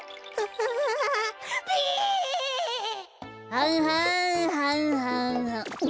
はんはんはんはんはんおお！